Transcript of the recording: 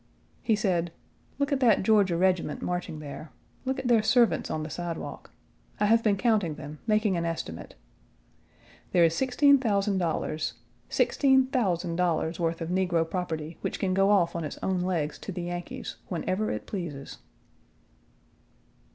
He said: "Look at that Georgia regiment marching there; look at their servants on the sidewalk. I have been counting them, making an estimate. There is $16,000 sixteen thousand dollars' worth of negro property which can go off on its own legs to the Yankees whenever it pleases."